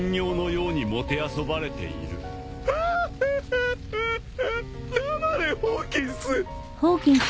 ファッファッファ黙れホーキンス！